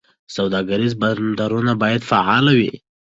سوداګریز بندرونه باید فعال وي.